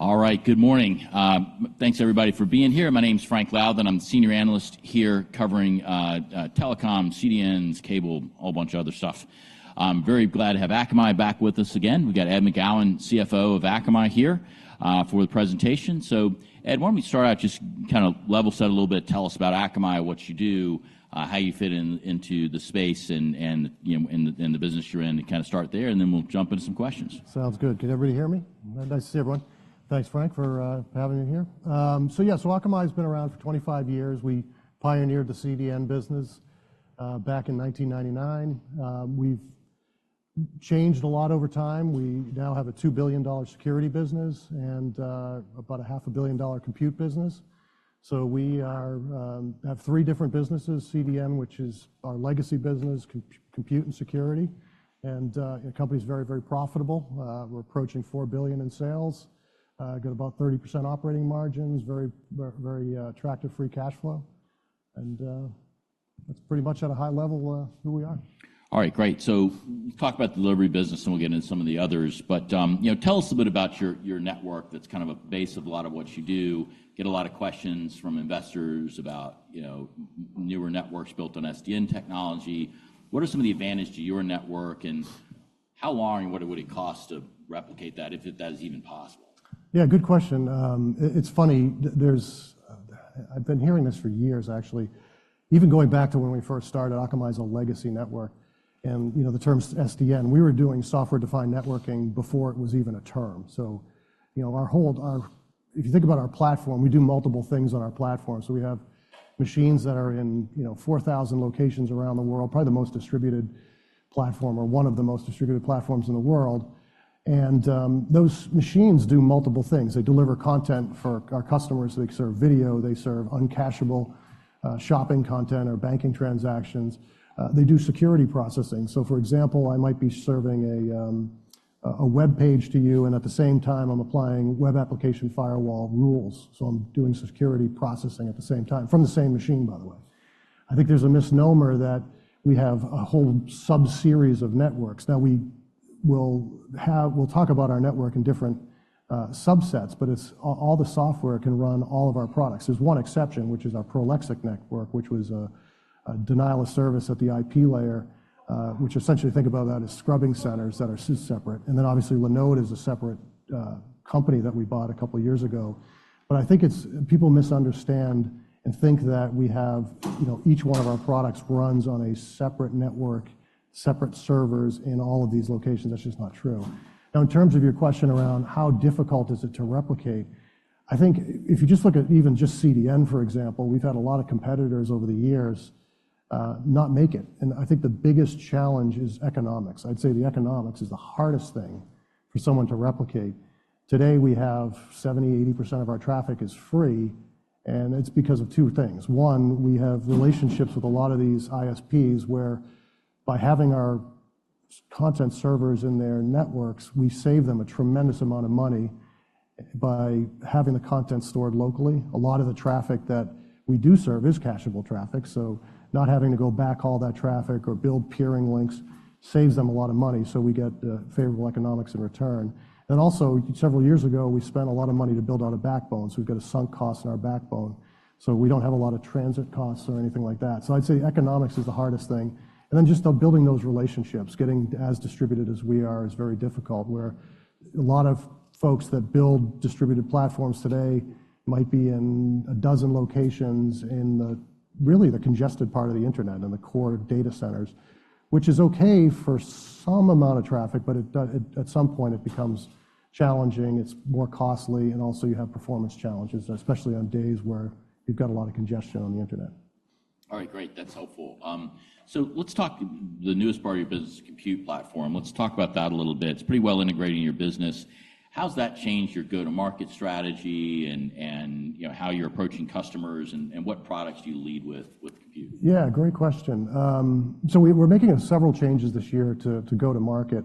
All right, good morning. Thanks everybody for being here. My name's Frank Louthan, and I'm the Senior Analyst here covering Telecom, CDNs, Cable, a whole bunch of other stuff. I'm very glad to have Akamai back with us again. We've got Ed McGowan, CFO of Akamai, here for the presentation. So, Ed, why don't we start out just kind of level set a little bit. Tell us about Akamai, what you do, how you fit into the space and you know, in the business you're in. And kind of start there, and then we'll jump into some questions. Sounds good. Can everybody hear me? Nice to see everyone. Thanks, Frank, for having me here. So yeah, Akamai's been around for 25 years. We pioneered the CDN business, back in 1999. We've changed a lot over time. We now have a $2 billion security business and about $500 million compute business. So we have three different businesses: CDN, which is our legacy business, compute and security. And you know, the company's very, very profitable. We're approaching $4 billion in sales, got about 30% operating margins, very, very attractive free cash flow. And that's pretty much, at a high level, who we are. All right, great. So we'll talk about the delivery business, and we'll get into some of the others. But, you know, tell us a bit about your network that's kind of a base of a lot of what you do. Get a lot of questions from investors about, you know, newer networks built on SDN technology. What are some of the advantages to your network, and how long, and what would it cost to replicate that, if that is even possible? Yeah, good question. It's funny. There's. I've been hearing this for years, actually. Even going back to when we first started, Akamai's a legacy network. And, you know, the term SDN, we were doing software-defined networking before it was even a term. So, you know, our. If you think about our platform, we do multiple things on our platform. So we have machines that are in, you know, 4,000 locations around the world, probably the most distributed platform, or one of the most distributed platforms in the world. And, those machines do multiple things. They deliver content for our customers. They serve video. They serve uncacheable shopping content or banking transactions. They do security processing. So, for example, I might be serving a web page to you, and at the same time, I'm applying web application firewall rules. So I'm doing security processing at the same time, from the same machine, by the way. I think there's a misnomer that we have a whole sub-series of networks. Now, we will. We'll talk about our network in different subsets, but it's all the software can run all of our products. There's one exception, which is our Prolexic network, which was a denial of service at the IP layer, which essentially, think about that as scrubbing centers that are separate. And then, obviously, Linode is a separate company that we bought a couple of years ago. But I think it's people misunderstand and think that we have, you know, each one of our products runs on a separate network, separate servers in all of these locations. That's just not true. Now, in terms of your question around how difficult is it to replicate, I think if you just look at even just CDN, for example, we've had a lot of competitors over the years, not make it. And I think the biggest challenge is economics. I'd say the economics is the hardest thing for someone to replicate. Today, we have 70%-80% of our traffic is free. And it's because of two things. One, we have relationships with a lot of these ISPs where, by having our content servers in their networks, we save them a tremendous amount of money by having the content stored locally. A lot of the traffic that we do serve is cacheable traffic. So not having to go back all that traffic or build peering links saves them a lot of money. So we get favorable economics in return. And also, several years ago, we spent a lot of money to build out a backbone. So we've got a sunk cost in our backbone. So we don't have a lot of transit costs or anything like that. So I'd say economics is the hardest thing. And then just building those relationships, getting as distributed as we are, is very difficult, where a lot of folks that build distributed platforms today might be in a dozen locations in the really congested part of the internet, in the core data centers, which is okay for some amount of traffic, but it does at some point, it becomes challenging. It's more costly. And also, you have performance challenges, especially on days where you've got a lot of congestion on the internet. All right, great. That's helpful. So let's talk the newest part of your business is compute platform. Let's talk about that a little bit. It's pretty well integrated in your business. How's that changed your go-to-market strategy and, and, you know, how you're approaching customers, and, and what products do you lead with, with compute? Yeah, great question. So we're making several changes this year to go-to-market.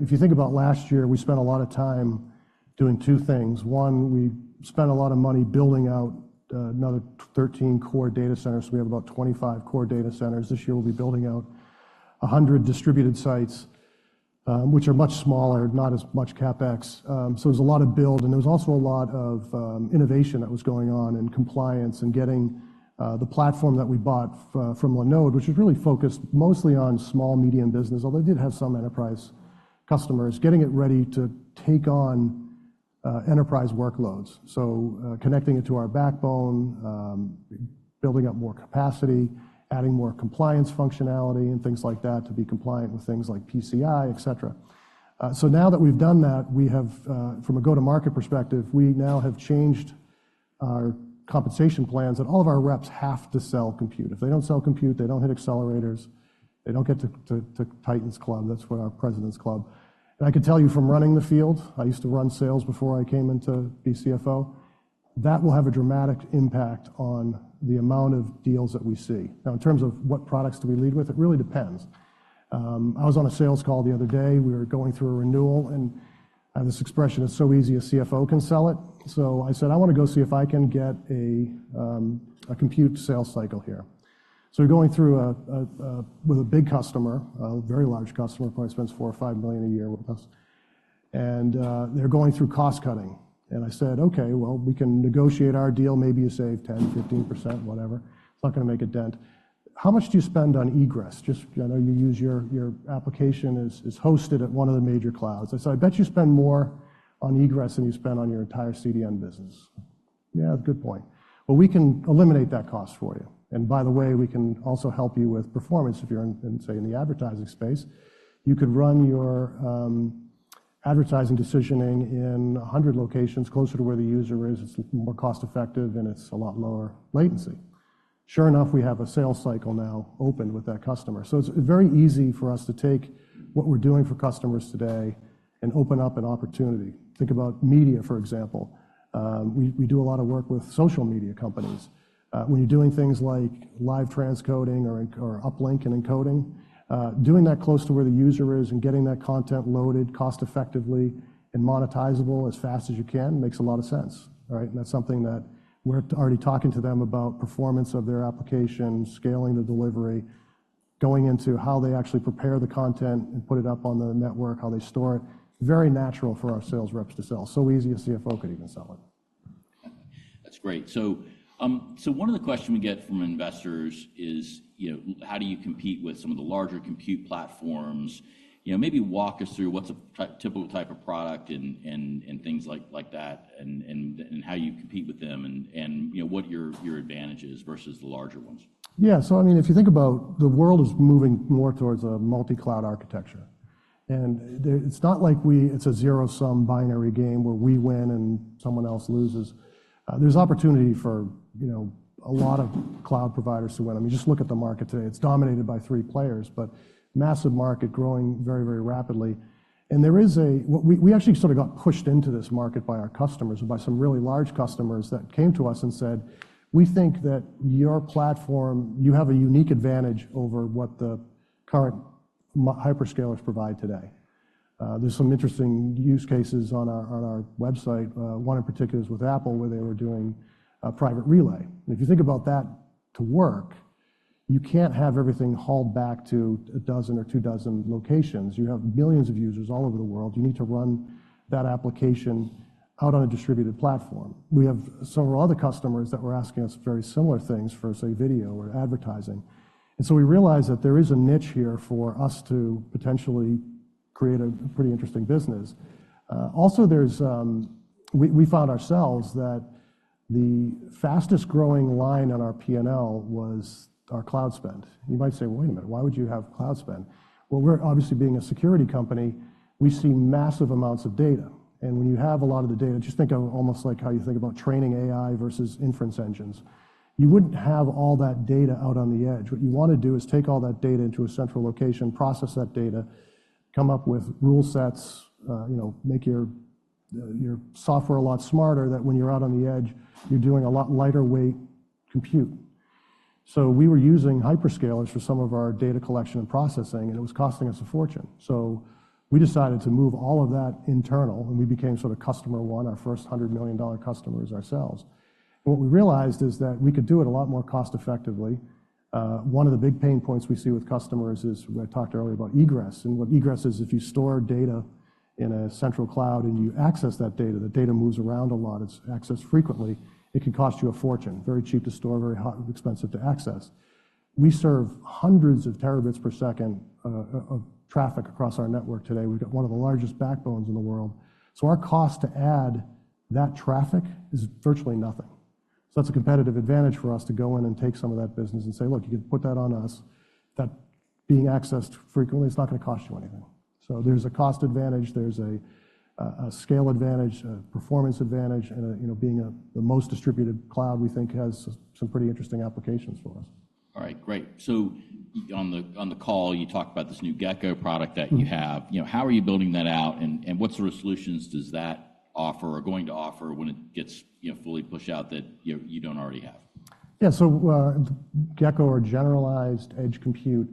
If you think about last year, we spent a lot of time doing two things. One, we spent a lot of money building out another 13 core data centers. We have about 25 core data centers. This year, we'll be building out 100 distributed sites, which are much smaller, not as much CapEx. So there's a lot of build. And there was also a lot of innovation that was going on in compliance and getting the platform that we bought from Linode, which is really focused mostly on small, medium business, although it did have some enterprise customers, getting it ready to take on enterprise workloads. So, connecting it to our backbone, building up more capacity, adding more compliance functionality, and things like that to be compliant with things like PCI, etc. So now that we've done that, we have from a go-to-market perspective, we now have changed our compensation plans that all of our reps have to sell compute. If they don't sell compute, they don't hit accelerators. They don't get to Titan's Club. That's our President's Club. And I can tell you from running the field I used to run sales before I came into CFO that will have a dramatic impact on the amount of deals that we see. Now, in terms of what products do we lead with, it really depends. I was on a sales call the other day. We were going through a renewal. And I have this expression, "It's so easy, a CFO can sell it." So I said, "I want to go see if I can get a compute sales cycle here." So we're going through with a big customer, a very large customer, probably spends $4 million-$5 million a year with us. And they're going through cost cutting. And I said, "Okay, well, we can negotiate our deal. Maybe you save 10%-15%, whatever. It's not going to make a dent. How much do you spend on egress? Just I know you use your application is hosted at one of the major clouds." I said, "I bet you spend more on egress than you spend on your entire CDN business." "Yeah, that's a good point. Well, we can eliminate that cost for you. By the way, we can also help you with performance. If you're in, say, the advertising space, you could run your advertising decisioning in 100 locations closer to where the user is. "It's more cost-effective, and it's a lot lower latency." Sure enough, we have a sales cycle now open with that customer. So it's very easy for us to take what we're doing for customers today and open up an opportunity. Think about media, for example. We do a lot of work with social media companies. When you're doing things like live transcoding or uplink and encoding, doing that close to where the user is and getting that content loaded cost-effectively and monetizable as fast as you can makes a lot of sense, all right? That's something that we're already talking to them about performance of their application, scaling the delivery, going into how they actually prepare the content and put it up on the network, how they store it, very natural for our sales reps to sell. So easy a CFO could even sell it. That's great. So one of the questions we get from investors is, you know, how do you compete with some of the larger compute platforms? You know, maybe walk us through what's a typical type of product and things like that, and how you compete with them and, you know, what your advantage is versus the larger ones. Yeah, so I mean, if you think about the world is moving more towards a multi-cloud architecture. And there it's not like we it's a zero-sum binary game where we win and someone else loses. There's opportunity for, you know, a lot of cloud providers to win. I mean, just look at the market today. It's dominated by three players, but massive market growing very, very rapidly. And there is a we, we actually sort of got pushed into this market by our customers and by some really large customers that came to us and said, "We think that your platform you have a unique advantage over what the current hyperscalers provide today." There's some interesting use cases on our on our website. One in particular is with Apple, where they were doing a Private Relay. If you think about that to work, you can't have everything hauled back to a dozen or two dozen locations. You have millions of users all over the world. You need to run that application out on a distributed platform. We have several other customers that were asking us very similar things for, say, video or advertising. And so we realized that there is a niche here for us to potentially create a pretty interesting business. Also, we found ourselves that the fastest growing line on our P&L was our cloud spend. You might say, "Well, wait a minute. Why would you have cloud spend?" Well, we're obviously being a security company. We see massive amounts of data. And when you have a lot of the data just think of almost like how you think about training AI versus inference engines. You wouldn't have all that data out on the edge. What you want to do is take all that data into a central location, process that data, come up with rule sets, you know, make your, your software a lot smarter than when you're out on the edge, you're doing a lot lighter weight compute. So we were using hyperscalers for some of our data collection and processing, and it was costing us a fortune. So we decided to move all of that internal. And we became sort of customer one, our first $100 million customers ourselves. And what we realized is that we could do it a lot more cost-effectively. One of the big pain points we see with customers is we talked earlier about egress. And what egress is, if you store data in a central cloud and you access that data, the data moves around a lot. It's accessed frequently. It can cost you a fortune, very cheap to store, very hot expensive to access. We serve hundreds of terabits per second of traffic across our network today. We've got one of the largest backbones in the world. So our cost to add that traffic is virtually nothing. So that's a competitive advantage for us to go in and take some of that business and say, "Look, you can put that on us. That being accessed frequently, it's not going to cost you anything." So there's a cost advantage. There's a, a scale advantage, a performance advantage. And, you know, being the most distributed cloud, we think, has some pretty interesting applications for us. All right, great. So on the call, you talked about this new Gecko product that you have. You know, how are you building that out? And what sort of solutions does that offer or going to offer when it gets, you know, fully pushed out that you don't already have? Yeah, so, Gecko or Generalized Edge Compute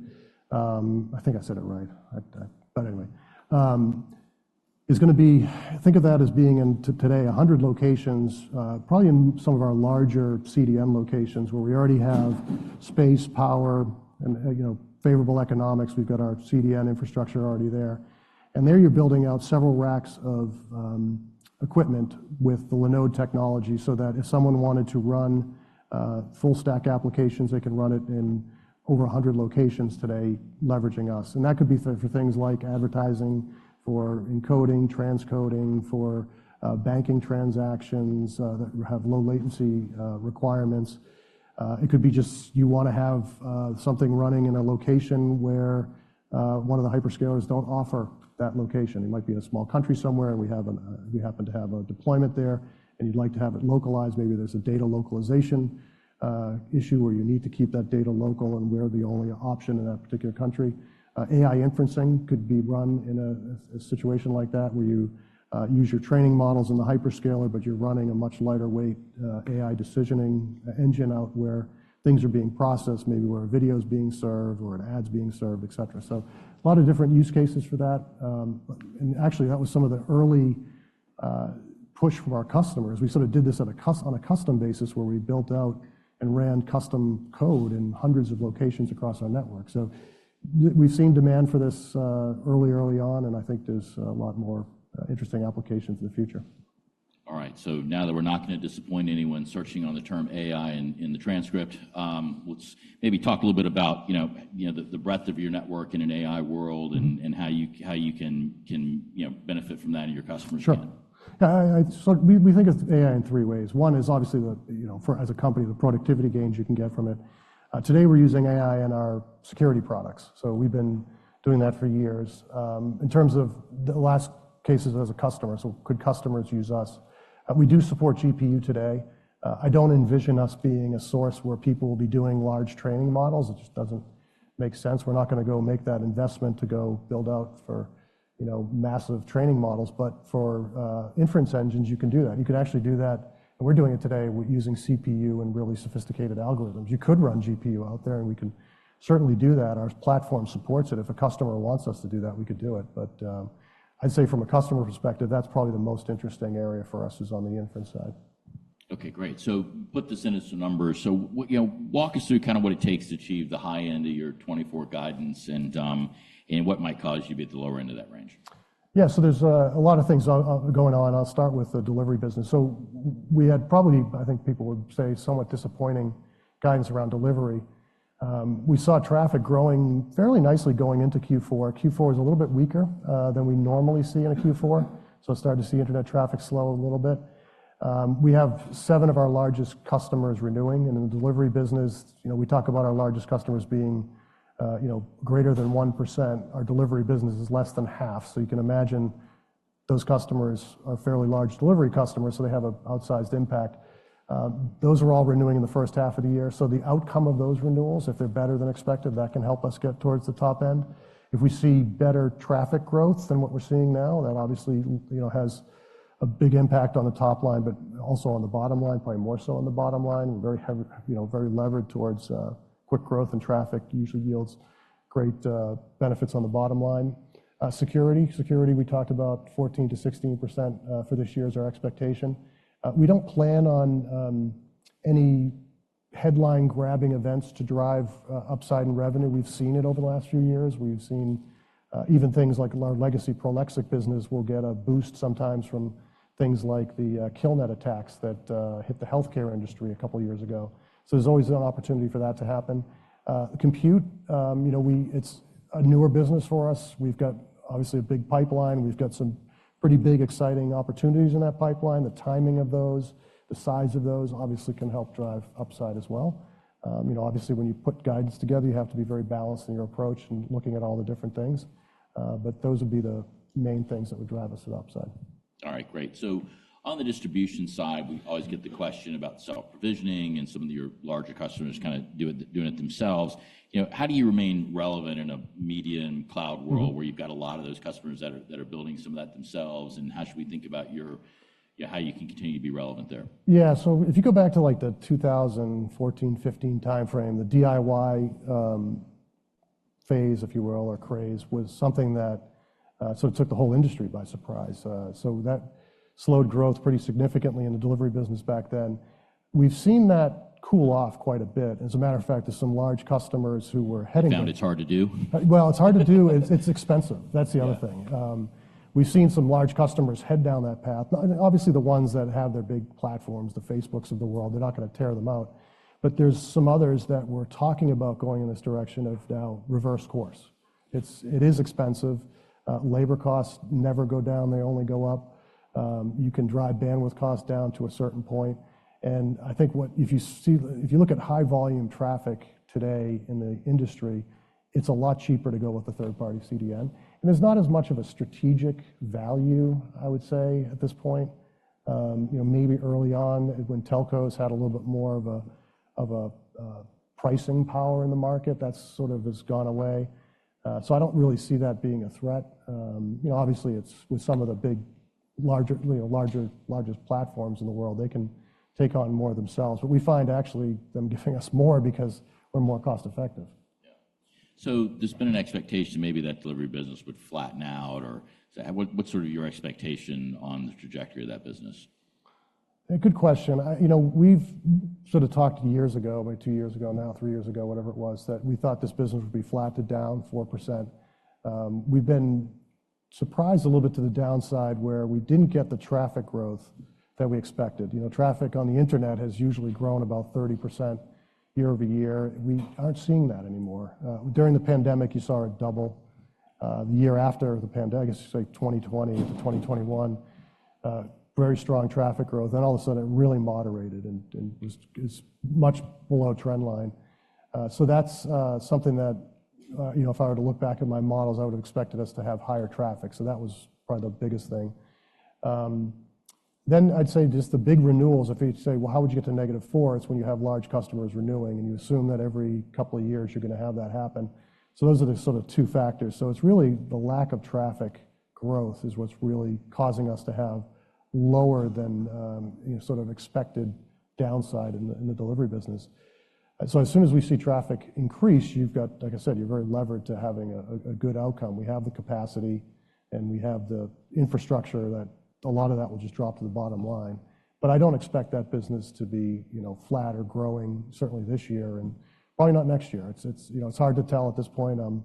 I think I said it right. But anyway, is going to be. Think of that as being in today 100 locations, probably in some of our larger CDN locations where we already have space, power, and, you know, favorable economics. We've got our CDN infrastructure already there. And there, you're building out several racks of equipment with the Linode technology so that if someone wanted to run full-stack applications, they can run it in over 100 locations today, leveraging us. And that could be for things like advertising, for encoding, transcoding, for banking transactions that have low latency requirements. It could be just you want to have something running in a location where one of the hyperscalers don't offer that location. It might be in a small country somewhere. And we happen to have a deployment there. And you'd like to have it localized. Maybe there's a data localization issue where you need to keep that data local and we're the only option in that particular country. AI inferencing could be run in a situation like that where you use your training models in the hyperscaler, but you're running a much lighter weight AI decisioning engine out where things are being processed, maybe where a video's being served or an ad's being served, etc. So a lot of different use cases for that. And actually, that was some of the early push from our customers. We sort of did this on a custom basis where we built out and ran custom code in hundreds of locations across our network. So we've seen demand for this, early, early on. And I think there's a lot more interesting applications in the future. All right, so now that we're not going to disappoint anyone searching on the term AI in the transcript, let's maybe talk a little bit about, you know, the breadth of your network in an AI world and how you can, you know, benefit from that and your customers can. Sure. Yeah, so we think of AI in three ways. One is obviously the, you know, for as a company, the productivity gains you can get from it. Today, we're using AI in our security products. So we've been doing that for years. In terms of the use cases as a customer, so could customers use us? We do support GPU today. I don't envision us being a source where people will be doing large training models. It just doesn't make sense. We're not going to go make that investment to go build out for, you know, massive training models. But for inference engines, you can do that. You can actually do that. And we're doing it today using CPU and really sophisticated algorithms. You could run GPU out there. And we can certainly do that. Our platform supports it. If a customer wants us to do that, we could do it. But, I'd say from a customer perspective, that's probably the most interesting area for us is on the inference side. Okay, great. So put this into some numbers. So what, you know, walk us through kind of what it takes to achieve the high end of your 2024 guidance and, and what might cause you to be at the lower end of that range. Yeah, so there's a lot of things going on. I'll start with the delivery business. So we had probably, I think people would say, somewhat disappointing guidance around delivery. We saw traffic growing fairly nicely going into Q4. Q4 is a little bit weaker than we normally see in a Q4. So I started to see internet traffic slow a little bit. We have seven of our largest customers renewing. And in the delivery business, you know, we talk about our largest customers being, you know, greater than 1%. Our delivery business is less than half. So you can imagine those customers are fairly large delivery customers. So they have an outsized impact. Those are all renewing in the first half of the year. So the outcome of those renewals, if they're better than expected, that can help us get towards the top end. If we see better traffic growth than what we're seeing now, that obviously, you know, has a big impact on the top line, but also on the bottom line, probably more so on the bottom line. We're very heavy, you know, very levered towards quick growth and traffic usually yields great benefits on the bottom line. Security, security, we talked about 14%-16% for this year is our expectation. We don't plan on any headline-grabbing events to drive upside in revenue. We've seen it over the last few years. We've seen even things like our legacy Prolexic business will get a boost sometimes from things like the Killnet attacks that hit the healthcare industry a couple of years ago. So there's always an opportunity for that to happen. Compute, you know, we it's a newer business for us. We've got obviously a big pipeline. We've got some pretty big, exciting opportunities in that pipeline. The timing of those, the size of those obviously can help drive upside as well. You know, obviously, when you put guidance together, you have to be very balanced in your approach and looking at all the different things. But those would be the main things that would drive us to the upside. All right, great. So on the distribution side, we always get the question about self-provisioning. And some of your larger customers kind of do it themselves. You know, how do you remain relevant in a media and cloud world where you've got a lot of those customers that are building some of that themselves? And how should we think about your, you know, how you can continue to be relevant there? Yeah, so if you go back to, like, the 2014, 2015 time frame, the DIY phase, if you will, or craze, was something that sort of took the whole industry by surprise. So that slowed growth pretty significantly in the delivery business back then. We've seen that cool off quite a bit. And as a matter of fact, there's some large customers who were heading down. Found it hard to do. Well, it's hard to do. It's, it's expensive. That's the other thing. We've seen some large customers head down that path. Obviously, the ones that have their big platforms, the Facebooks of the world, they're not going to tear them out. But there's some others that we're talking about going in this direction of now reverse course. It's, it is expensive. Labor costs never go down. They only go up. You can drive bandwidth costs down to a certain point. And I think what if you see if you look at high-volume traffic today in the industry, it's a lot cheaper to go with a third-party CDN. And there's not as much of a strategic value, I would say, at this point. You know, maybe early on, when telcos had a little bit more of a pricing power in the market, that sort of has gone away. So I don't really see that being a threat. You know, obviously, it's with some of the big larger, you know, larger, largest platforms in the world, they can take on more themselves. But we find actually them giving us more because we're more cost-effective. Yeah, so there's been an expectation maybe that delivery business would flatten out. Or what? What's sort of your expectation on the trajectory of that business? Good question. I, you know, we've sort of talked years ago, maybe two years ago now, three years ago, whatever it was, that we thought this business would be flattened down 4%. We've been surprised a little bit to the downside where we didn't get the traffic growth that we expected. You know, traffic on the internet has usually grown about 30% year-over-year. We aren't seeing that anymore. During the pandemic, you saw it double. The year after the pandemic, I guess, say, 2020 to 2021, very strong traffic growth. Then all of a sudden, it really moderated and was, is much below trendline. So that's something that, you know, if I were to look back at my models, I would have expected us to have higher traffic. So that was probably the biggest thing. Then I'd say just the big renewals, if you say, well, how would you get to -4? It's when you have large customers renewing. And you assume that every couple of years, you're going to have that happen. So those are the sort of two factors. So it's really the lack of traffic growth is what's really causing us to have lower than, you know, sort of expected downside in the delivery business. So as soon as we see traffic increase, you've got like I said, you're very levered to having a good outcome. We have the capacity. And we have the infrastructure that a lot of that will just drop to the bottom line. But I don't expect that business to be, you know, flat or growing, certainly this year and probably not next year. It's, you know, it's hard to tell at this point. I'm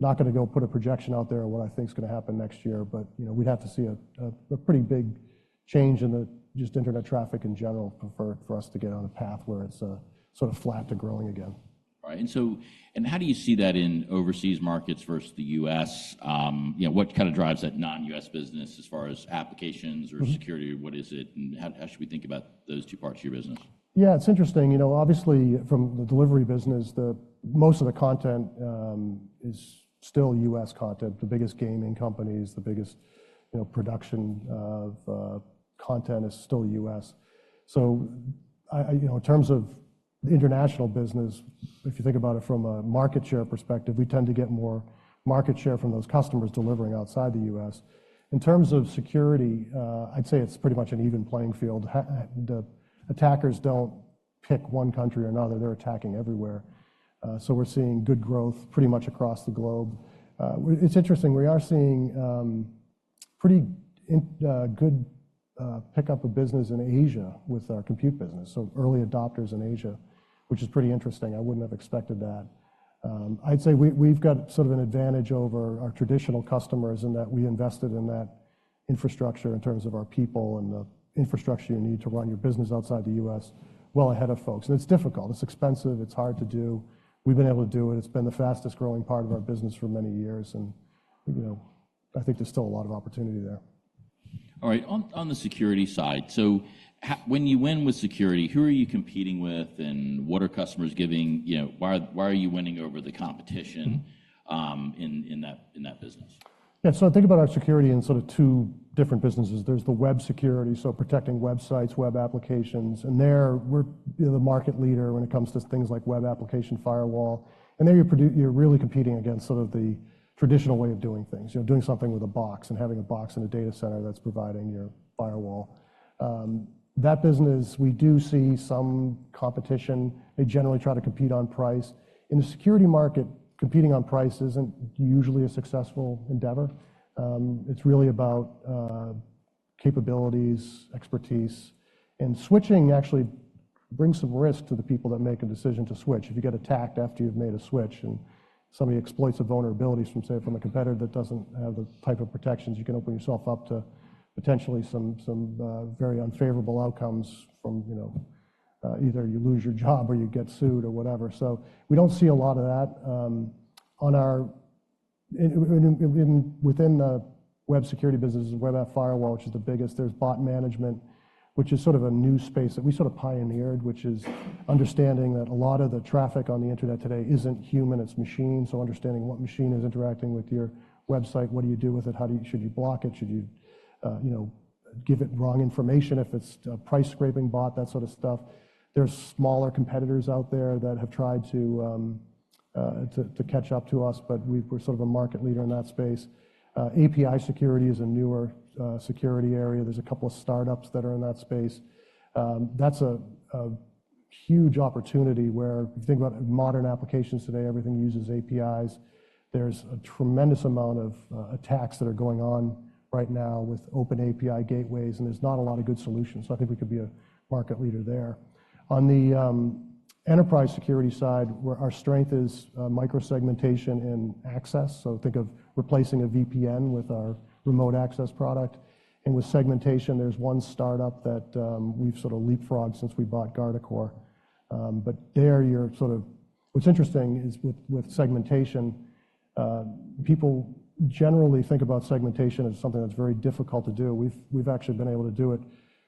not going to go put a projection out there of what I think's going to happen next year. But, you know, we'd have to see a pretty big change in the just internet traffic in general for us to get on a path where it's, sort of flat to growing again. All right, and so and how do you see that in overseas markets versus the U.S.? You know, what kind of drives that non-U.S. business as far as applications or security? What is it? And how, how should we think about those two parts of your business? Yeah, it's interesting. You know, obviously, from the delivery business, the most of the content is still U.S. content. The biggest gaming companies, the biggest, you know, production of content is still U.S. So I, I, you know, in terms of the international business, if you think about it from a market share perspective, we tend to get more market share from those customers delivering outside the U.S. In terms of security, I'd say it's pretty much an even playing field. The attackers don't pick one country or another. They're attacking everywhere. So we're seeing good growth pretty much across the globe. It's interesting. We are seeing pretty good pickup of business in Asia with our compute business, so early adopters in Asia, which is pretty interesting. I wouldn't have expected that. I'd say we've got sort of an advantage over our traditional customers in that we invested in that infrastructure in terms of our people and the infrastructure you need to run your business outside the U.S. well ahead of folks. It's difficult. It's expensive. It's hard to do. We've been able to do it. It's been the fastest growing part of our business for many years. You know, I think there's still a lot of opportunity there. All right, on the security side, so how when you win with security, who are you competing with? And what are customers giving? You know, why are you winning over the competition, in that business? Yeah, so I think about our security in sort of two different businesses. There's the web security, so protecting websites, web applications. And there, we're, you know, the market leader when it comes to things like web application firewall. And there, you're really competing against sort of the traditional way of doing things, you know, doing something with a box and having a box in a data center that's providing your firewall. That business, we do see some competition. They generally try to compete on price. In the security market, competing on price isn't usually a successful endeavor. It's really about capabilities, expertise. And switching actually brings some risk to the people that make a decision to switch. If you get attacked after you've made a switch and somebody exploits a vulnerability, say, from a competitor that doesn't have the type of protections, you can open yourself up to potentially some very unfavorable outcomes, you know, either you lose your job or you get sued or whatever. So we don't see a lot of that on our end, within the web security business, web app firewall, which is the biggest. There's bot management, which is sort of a new space that we sort of pioneered, which is understanding that a lot of the traffic on the internet today isn't human. It's machine. So understanding what machine is interacting with your website, what do you do with it? How do you should you block it? Should you, you know, give it wrong information if it's a price-scraping bot, that sort of stuff? There's smaller competitors out there that have tried to catch up to us. But we're sort of a market leader in that space. API security is a newer security area. There's a couple of startups that are in that space. That's a huge opportunity where if you think about modern applications today, everything uses APIs. There's a tremendous amount of attacks that are going on right now with OpenAPI gateways. And there's not a lot of good solutions. So I think we could be a market leader there. On the enterprise security side, where our strength is, microsegmentation and access. So think of replacing a VPN with our remote access product. And with segmentation, there's one startup that we've sort of leapfrogged since we bought Guardicore. But there, you're sort of – what's interesting is with segmentation, people generally think about segmentation as something that's very difficult to do. We've actually been able to do it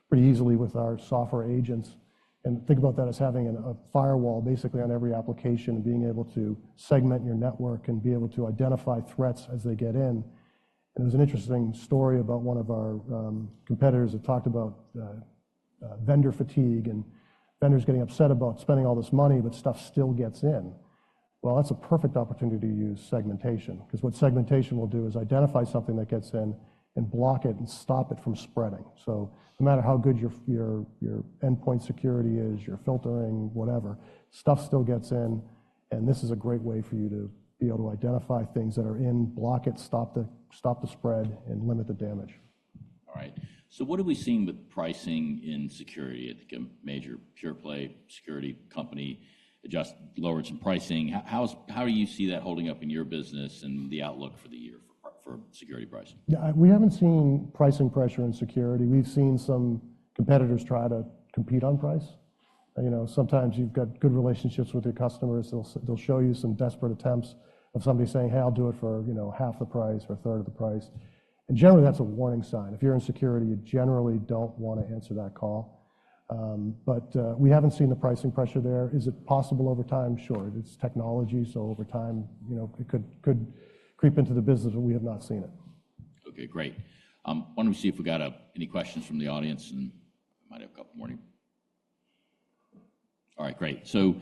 pretty easily with our software agents. And think about that as having a firewall basically on every application and being able to segment your network and be able to identify threats as they get in. And there's an interesting story about one of our competitors that talked about vendor fatigue and vendors getting upset about spending all this money, but stuff still gets in. Well, that's a perfect opportunity to use segmentation because what segmentation will do is identify something that gets in and block it and stop it from spreading. So no matter how good your endpoint security is, your filtering, whatever, stuff still gets in. And this is a great way for you to be able to identify things that are in, block it, stop the spread, and limit the damage. All right, so what have we seen with pricing in security? I think a major pure-play security company just lowered some pricing. How do you see that holding up in your business and the outlook for the year for security pricing? Yeah, we haven't seen pricing pressure in security. We've seen some competitors try to compete on price. You know, sometimes you've got good relationships with your customers. They'll show you some desperate attempts of somebody saying, "Hey, I'll do it for, you know, half the price or a third of the price." And generally, that's a warning sign. If you're in security, you generally don't want to answer that call. But we haven't seen the pricing pressure there. Is it possible over time? Sure. It's technology. So over time, you know, it could creep into the business. But we have not seen it. Okay, great. Why don't we see if we got any questions from the audience? And I might have a couple morning. All right, great. So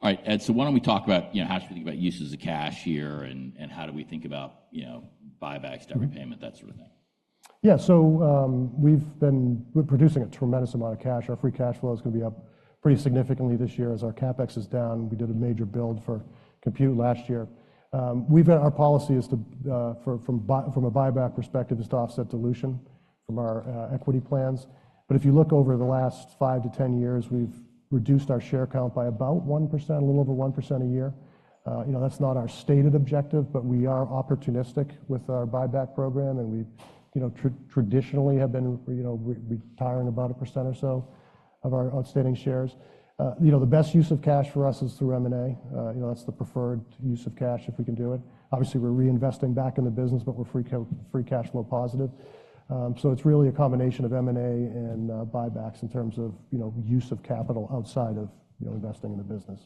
all right, Ed, so why don't we talk about, you know, how should we think about uses of cash here? And, and how do we think about, you know, buybacks, debt repayment, that sort of thing? Yeah, so, we've been producing a tremendous amount of cash. Our free cash flow is going to be up pretty significantly this year as our CapEx is down. We did a major build for compute last year. We've got our policy is to, from a buyback perspective, offset dilution from our equity plans. But if you look over the last five to 10 years, we've reduced our share count by about 1%, a little over 1% a year. You know, that's not our stated objective. But we are opportunistic with our buyback program. And we, you know, traditionally have been, you know, retiring about 1% or so of our outstanding shares. You know, the best use of cash for us is through M&A. You know, that's the preferred use of cash if we can do it. Obviously, we're reinvesting back in the business. But we're free cash flow positive. So it's really a combination of M&A and buybacks in terms of, you know, use of capital outside of, you know, investing in the business.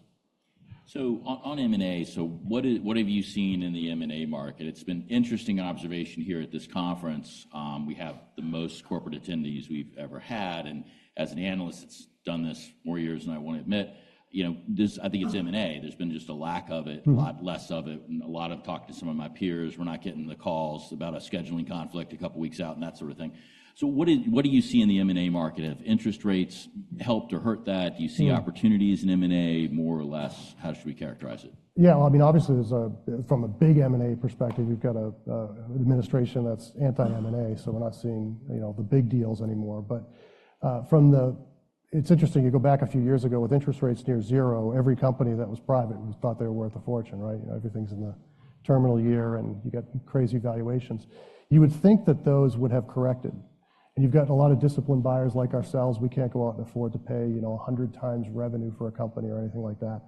On M&A, what have you seen in the M&A market? It's been an interesting observation here at this conference. We have the most corporate attendees we've ever had. And as an analyst that's done this more years, and I won't admit, you know, this I think it's M&A. There's been just a lack of it, a lot less of it. And a lot of talk to some of my peers. We're not getting the calls about a scheduling conflict a couple weeks out and that sort of thing. So what do you see in the M&A market? Have interest rates helped or hurt that? Do you see opportunities in M&A more or less? How should we characterize it? Yeah, well, I mean, obviously, from a big M&A perspective, we've got an administration that's anti-M&A. So we're not seeing, you know, the big deals anymore. But it's interesting. You go back a few years ago with interest rates near zero, every company that was private was thought they were worth a fortune, right? You know, everything's in the terminal year. And you get crazy valuations. You would think that those would have corrected. And you've got a lot of disciplined buyers like ourselves. We can't go out and afford to pay, you know, 100 times revenue for a company or anything like that.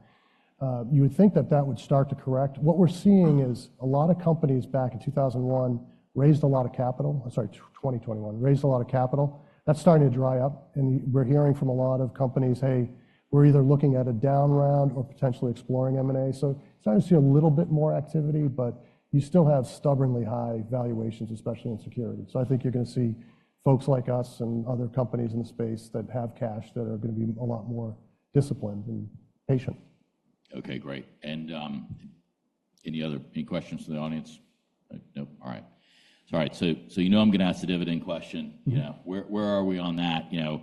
You would think that that would start to correct. What we're seeing is a lot of companies back in 2001 raised a lot of capital. I'm sorry, 2021 raised a lot of capital. That's starting to dry up. We're hearing from a lot of companies, "Hey, we're either looking at a down round or potentially exploring M&A." It's starting to see a little bit more activity. You still have stubbornly high valuations, especially in security. I think you're going to see folks like us and other companies in the space that have cash that are going to be a lot more disciplined and patient. Okay, great. And any other questions from the audience? No? All right. Sorry. So you know I'm going to ask a dividend question. You know, where are we on that? You know,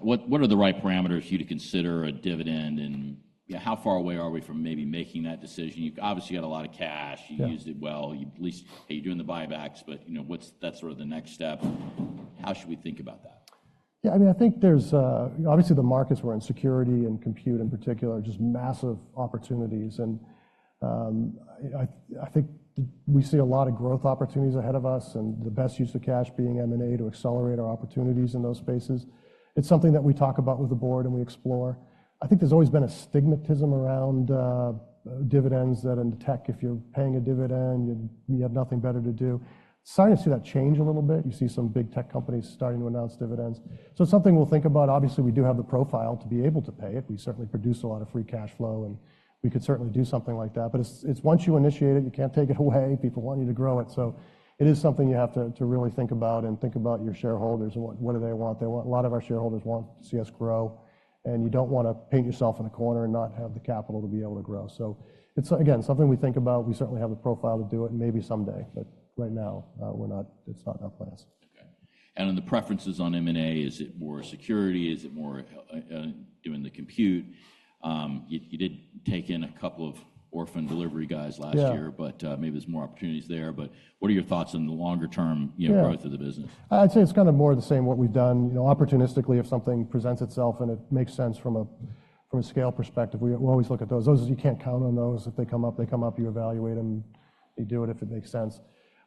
what are the right parameters for you to consider a dividend? And you know, how far away are we from maybe making that decision? You've obviously got a lot of cash. You used it well. You at least hey, you're doing the buybacks. But you know, what's that sort of the next step? How should we think about that? Yeah, I mean, I think there's, obviously, the markets where in security and compute in particular, just massive opportunities. And, I, I think we see a lot of growth opportunities ahead of us. And the best use of cash being M&A to accelerate our opportunities in those spaces. It's something that we talk about with the board. And we explore. I think there's always been a stigma around dividends that in tech, if you're paying a dividend, you'd you have nothing better to do. It's starting to see that change a little bit. You see some big tech companies starting to announce dividends. So it's something we'll think about. Obviously, we do have the profile to be able to pay it. We certainly produce a lot of free cash flow. And we could certainly do something like that. But it's, it's once you initiate it, you can't take it away. People want you to grow it. So it is something you have to to really think about and think about your shareholders and what, what do they want? They want a lot of our shareholders want to see us grow. And you don't want to paint yourself in a corner and not have the capital to be able to grow. So it's, again, something we think about. We certainly have the profile to do it and maybe someday. But right now, we're not. It's not in our plans. Okay, and on the preferences on M&A, is it more security? Is it more, doing the compute? You did take in a couple of orphaned delivery guys last year. But maybe there's more opportunities there. But what are your thoughts on the longer term, you know, growth of the business? Yeah, I'd say it's kind of more the same, what we've done. You know, opportunistically, if something presents itself and it makes sense from a scale perspective, we always look at those. Those you can't count on those. If they come up, they come up. You evaluate them. You do it if it makes sense.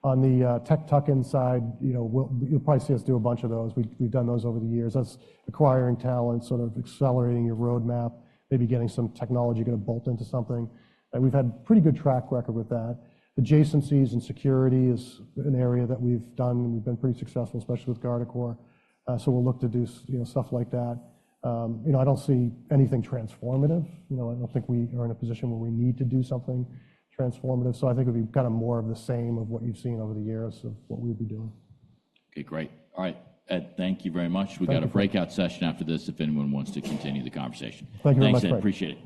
On the tech tuck-in side, you know, we'll, you'll probably see us do a bunch of those. We've done those over the years. That's acquiring talent, sort of accelerating your roadmap, maybe getting some technology going to bolt into something. And we've had a pretty good track record with that. Adjacencies and security is an area that we've done. And we've been pretty successful, especially with Guardicore. So we'll look to do, you know, stuff like that. You know, I don't see anything transformative. You know, I don't think we are in a position where we need to do something transformative. So I think it would be kind of more of the same of what you've seen over the years of what we would be doing. Okay, great. All right, Ed, thank you very much. We got a breakout session after this if anyone wants to continue the conversation. Thank you very much, Frank. Thanks. I appreciate it.